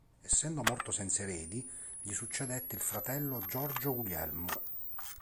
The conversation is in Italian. Essendo morto senza eredi, gli succedette il fratello Giorgio Guglielmo.